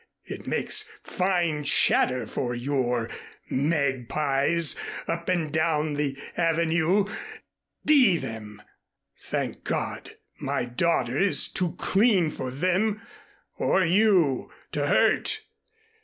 It makes fine chatter for your magpies up and down the Avenue. D them! Thank God, my daughter is too clean for them or you to hurt.